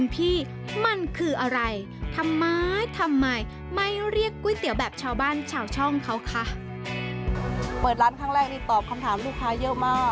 เปิดร้านครั้งแรกนี่ตอบคำถามลูกค้า